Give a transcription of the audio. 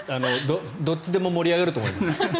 どっちでも盛り上がると思います。